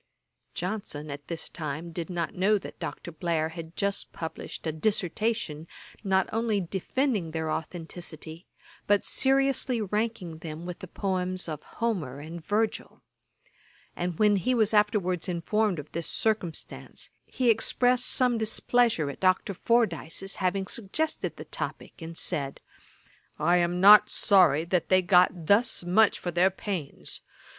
Johnson, at this time, did not know that Dr. Blair had just published a Dissertation, not only defending their authenticity, but seriously ranking them with the poems of Homer and Virgil; and when he was afterwards informed of this circumstance, he expressed some displeasure at Dr. Fordyce's having suggested the topick, and said, 'I am not sorry that they got thus much for their pains.